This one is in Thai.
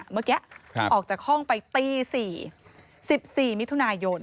เมื่อกี้ออกจากห้องไปตี๔๑๔มิถุนายน